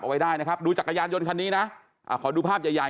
ไว้ได้นะครับดูจักรยานยนต์คันนี้นะขอดูภาพใหญ่ใหญ่